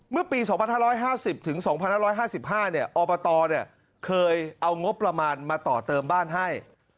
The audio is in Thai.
เมื่อปี๒๕๕๐๒๕๕๕อบตเคยเอางบประมาณมาต่อเติมบ้านให้